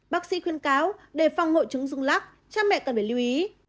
bác sĩ khuyên cáo đề phòng hội chứng dung lắc cha mẹ cần phải lưu ý